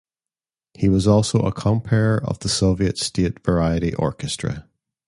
He was also a compere of the Soviet State Variety Orchestra.